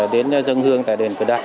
đến dân hương tại đền cửa đạo